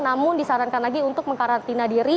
namun disarankan lagi untuk mengkarantina diri